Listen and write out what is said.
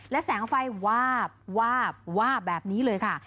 และแสงไฟวาบวาบวาบแบบนี้เลยค่ะ